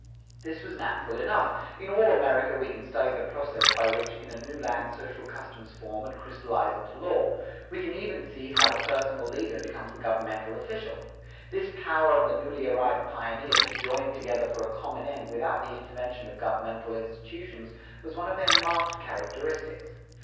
[343:1] This was natural enough; in all America we can study the process by which in a new land social customs form and crystallize into law. We can even see how the personal leader becomes the governmental official. This power of the newly arrived pioneers to join together for a common end without the intervention of governmental institutions was one of their marked characteristics.